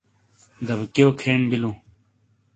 دابکِیو کھین بلوں ۔